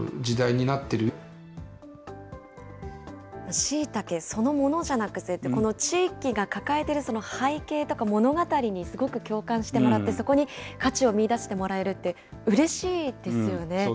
しいたけそのものじゃなくて、この地域が抱えてる、その背景とか、物語にすごく共感してもらって、そこに価値を見いだしてもらそうですよね。